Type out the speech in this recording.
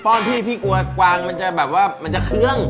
้อนพี่พี่กลัวกวางมันจะแบบว่ามันจะเครื่อง